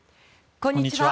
こんにちは。